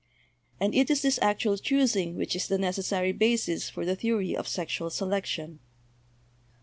And it is this actual choosing which is the necessary basis for the theory of sexual selection.